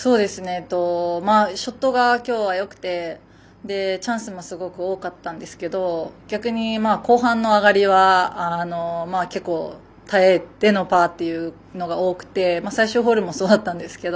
ショットがきょうはよくてチャンスもすごく多かったんですけど逆に、後半の上がりは結構、耐えてのパーというのが多くて、最終ホールもそうだったんですけど。